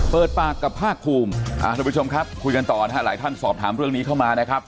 เปิดปากกับภาคภูมิทุกผู้ชมครับคุยกันต่อนะฮะหลายท่านสอบถามเรื่องนี้เข้ามานะครับ